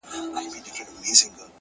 بریا د صبر او نظم ملګرې ده!